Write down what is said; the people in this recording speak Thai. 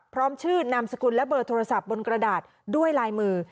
พร้อมชื่อนามสกุลและเบอร์โทรศัพท์บนกระดาษด้วยลายมือ